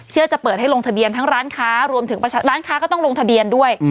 เพื่อจะเปิดให้ลงทะเบียนทั้งร้านค้ารวมถึงร้านค้าก็ต้องลงทะเบียนด้วย